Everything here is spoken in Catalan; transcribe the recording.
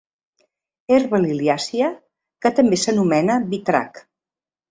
Herba liliàcia que també s'anomena vitrac.